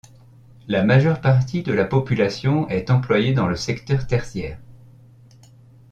La majeure partie de la population est employée dans le secteur tertiaire.